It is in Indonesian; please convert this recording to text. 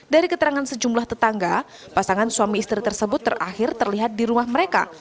dari keterangan sejumlah tetangga pasangan suami istri tersebut terakhir terlihat di rumah mereka